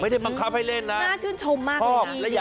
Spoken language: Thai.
ไม่ได้บังคับให้เล่นนะน่าชื่นชมมาก